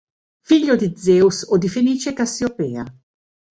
Figlio di Zeus o di Fenice e Cassiopea.